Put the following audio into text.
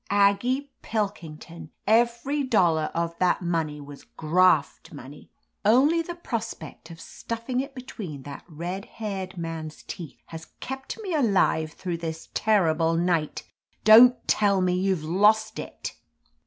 "Aggie Pilkington, every dollar of that money was graft money. Only the prospect of stuffing it 213 THE AMAZING ADVENTURES between that red haired man's teeth has kept me alive through this terrible night. Don't tell me you've lost it."